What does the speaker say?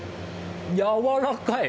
やわらかい。